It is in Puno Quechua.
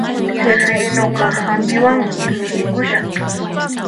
Sifirinuqa hampiwanmi llusikushan